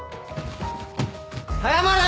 謝れ！